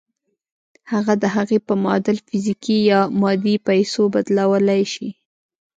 هغه د هغې په معادل فزيکي يا مادي پيسو بدلولای شئ.